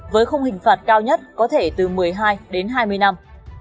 với khung hình phạt cao nhất có thể từ một mươi hai đến hai mươi năm